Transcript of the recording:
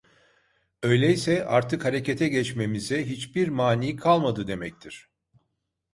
Öyleyse artık harekete geçmemize hiçbir mani kalmadı demektir.